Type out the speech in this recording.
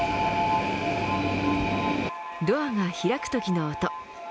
ドアが開くときの音。